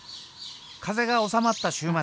風が収まった週末。